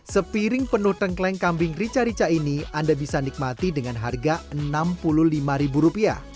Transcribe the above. sepiring penuh tengkleng kambing rica rica ini anda bisa nikmati dengan harga rp enam puluh lima